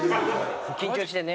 緊張してるね。